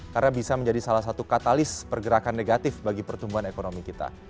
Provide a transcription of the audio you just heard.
karena bisa menjadi salah satu katalis pergerakan negatif bagi pertumbuhan ekonomi kita